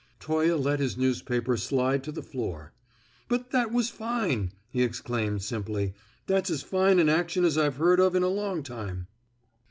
Toye let his newspaper slide to the floor. "But that was fine!" he exclaimed simply. "That's as fine an action as I've heard of in a long time."